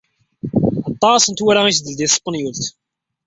Aṭas n tewwura i s-d-teldi tespenyult.